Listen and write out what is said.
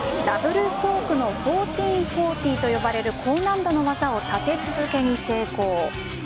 ダブルコークの１４４０と呼ばれる高難度の技を立て続けに成功。